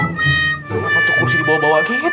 kenapa tuh kursi dibawa bawa gigit